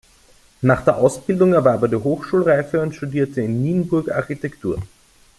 Nach der Ausbildung erwarb er die Hochschulreife und studierte in Nienburg Architektur.